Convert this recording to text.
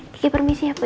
kiki permisi ya bu